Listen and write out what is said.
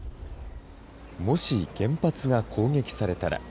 もし原発が攻撃されたら。